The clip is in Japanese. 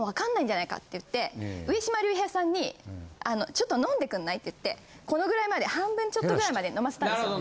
上島竜兵さんにちょっと飲んでくんないって言ってこのぐらいまで半分ちょっとぐらいまで飲ましたんですよ。